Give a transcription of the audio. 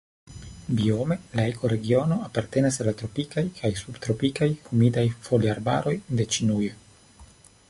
Biome la ekoregiono apartenas al la tropikaj kaj subtropikaj humidaj foliarbaroj de Ĉinujo.